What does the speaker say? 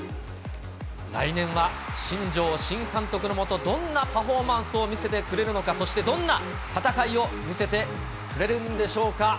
来年は新庄新監督の下、どんなパフォーマンスを見せてくれるのか、そしてどんな戦いを見せてくれるんでしょうか。